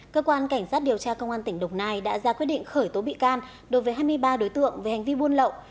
cơ quan cảnh sát điều tra công an tỉnh đồng nai đã ra quyết định khởi tố bị can đối với hai mươi ba đối tượng về hành vi buôn lậu